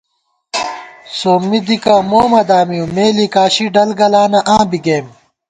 سومّی دِکہ مو مہ دامِؤ مے لِکاشی ڈلگلانہ آں بی گئیم